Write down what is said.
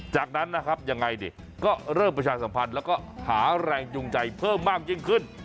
จากนั้นนะครับยังไงดิก็เริ่มประชาสัมพันธ์แล้วก็หาแรงจูงใจเพิ่มมากยิ่งขึ้น